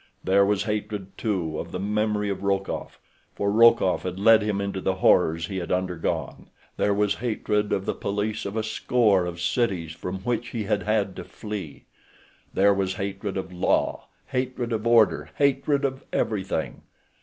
There was hatred, too, of the memory of Rokoff, for Rokoff had led him into the horrors he had undergone. There was hatred of the police of a score of cities from which he had had to flee. There was hatred of law, hatred of order, hatred of everything.